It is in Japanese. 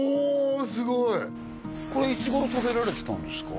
すごいこれいつ頃食べられてたんですか？